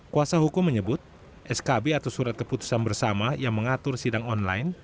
kuasa hukum menyebut skb atau surat keputusan bersama yang mengatur sidang online